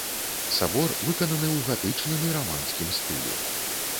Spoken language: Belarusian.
Сабор выкананы ў гатычным і раманскім стылі.